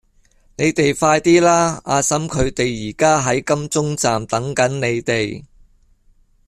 你哋快啲啦!阿嬸佢哋而家喺金鐘站等緊你哋